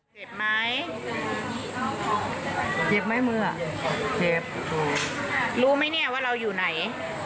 เจ็บไหมเจ็บไหมเมื่อเจ็บรู้ไหมเนี่ยว่าเราอยู่ไหน